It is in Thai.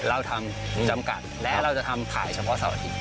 เราทำจำกัดและเราจะทำขายเฉพาะเสาร์อาทิตย